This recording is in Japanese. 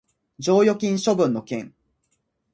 剰余金処分の件